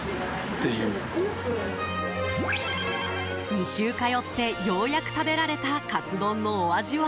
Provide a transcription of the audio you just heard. ２週通って、ようやく食べられたかつ丼のお味は。